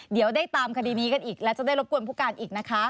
เดี๋ยวได้ตามคดีนี้กันอีกและจะได้รบกวนผู้การอีกนะคะ